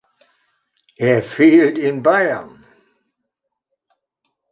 Er fehlt in Bayern.